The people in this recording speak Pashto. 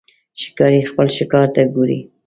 ښکاري خپل ښکار ته ګوري.